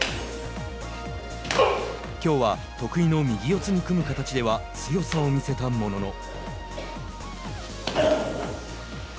きょうは、得意の右四つに組む形では強さを見せたものの。